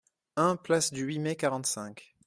un place du huit Mai quarante-cinq